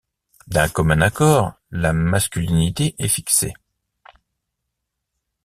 D’un commun accord, la masculinité est fixée.